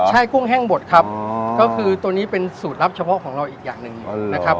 ใช่กุ้งแห้งบดครับก็คือตัวนี้เป็นสูตรลับเฉพาะของเราอีกอย่างหนึ่งนะครับ